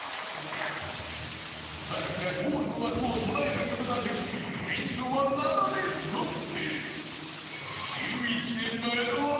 タカがゴールの枠を捉える事ができず連勝は７でストップ